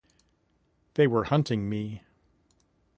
They were hunting me.